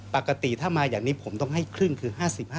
ปกติถ้ามาอย่างนี้ผมต้องให้ครึ่งคือ๕๕